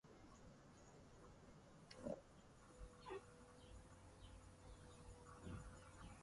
ለምሳሌ በጾም መግደፊያ ሰዓት አንድ የተለመደው ምግብ ሳምቡሳ ነው።